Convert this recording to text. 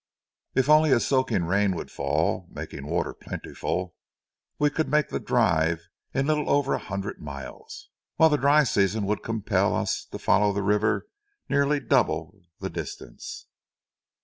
If only a soaking rain would fall, making water plentiful, we could make the drive in little over a hundred miles, while a dry season would compel; us to follow the river nearly double the distance.